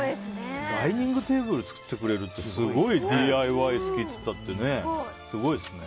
ダイニングテーブル作ってくれるってすごいＤＩＹ好きっていったってね。